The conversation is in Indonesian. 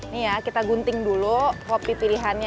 nih ya kita gunting dulu kopi pilihannya